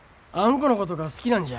このことが好きなんじゃ。